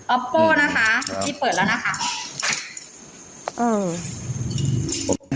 โป้นะคะที่เปิดแล้วนะคะ